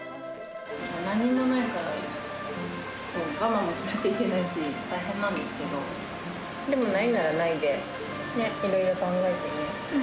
何もないから、我慢もしなきゃいけないし、大変なんですけど、でもないならないで、いろいろ考えてね。